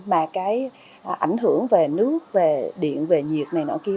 mà cái ảnh hưởng về nước về điện về sản xuất của mình cao hơn